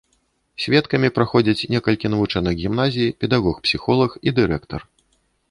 Сведкамі праходзяць некалькі навучэнак гімназіі, педагог-псіхолаг і дырэктар.